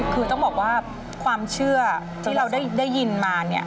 คือต้องบอกว่าความเชื่อที่เราได้ยินมาเนี่ย